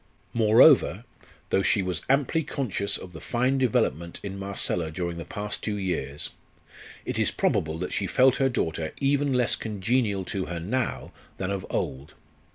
Moreover, though she was amply conscious of the fine development in Marcella during the past two years, it is probable that she felt her daughter even less congenial to her now than of old.